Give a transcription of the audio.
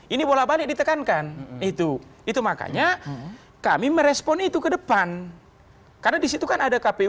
ini bola balik ditekankan itu itu makanya kami merespon itu ke depan karena disitu kan ada kpu